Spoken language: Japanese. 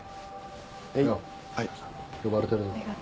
よぉ呼ばれてるぞ。